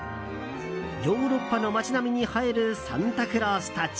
ヨーロッパの街並みに映えるサンタクロースたち。